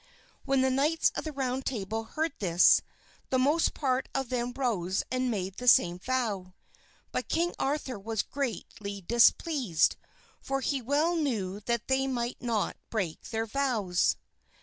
When the knights of the Round Table heard this, the most part of them arose and made the same vow. But King Arthur was greatly displeased, for he well knew that they might not break their vows.